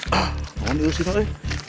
tangan di sini